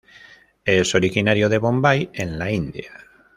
Es originario de Bombay en la India.